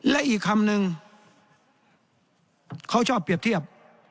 และอีกคำนึงเขาชอบเปรียบเทียบ